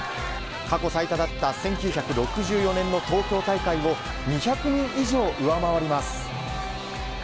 過去最多だった１９６４年の東京大会を２００人以上上回ります。